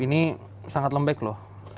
ini sangat lembek loh